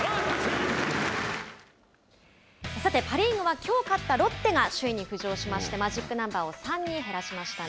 さて、パ・リーグはきょう勝ったロッテが首位に浮上しましてマジックナンバーを３に減らしましたね。